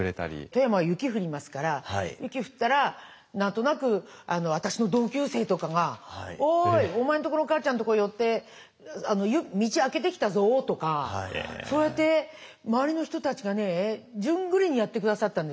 富山は雪降りますから雪降ったら何となく私の同級生とかが「おいお前んとこの母ちゃんとこ寄って道開けてきたぞ」とかそうやって周りの人たちがね順繰りにやって下さったんですよ。